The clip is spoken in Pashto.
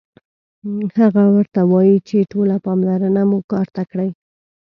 هغه ورته وايي چې ټوله پاملرنه مو کار ته کړئ